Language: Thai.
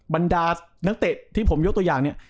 บรรดานักเตะที่ผมยกตัวอย่างเนี่ย